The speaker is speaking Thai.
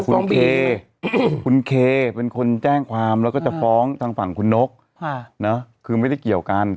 คุณเคคุณเคเป็นคนแจ้งความแล้วก็จะฟ้องทางฝั่งคุณนกคือไม่ได้เกี่ยวกัน